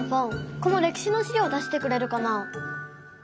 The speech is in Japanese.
この歴史のしりょう出してくれるかな？